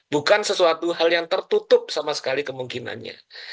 bukan sesuatu hal yang tertutup sama sekali kemungkinannya